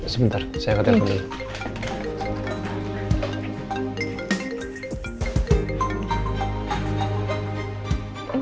sebentar saya angkat telpon dulu